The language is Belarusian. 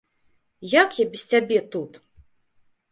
Як я без цябе тут?